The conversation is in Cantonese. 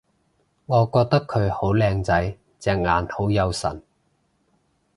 我覺得佢好靚仔！隻眼好有神